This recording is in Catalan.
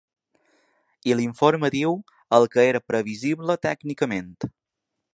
I l’informe diu el que era previsible tècnicament.